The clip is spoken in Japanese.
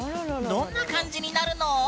どんな感じになるの⁉